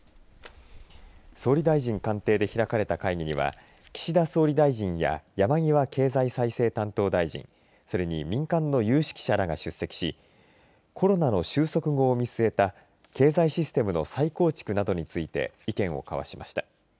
総理大臣官邸で開かれた会議には岸田総理大臣や山際経済再生担当大臣それに民間の有識者らが出席しコロナの収束後を見据えた経済システムの再構築などについて意見を交わしました。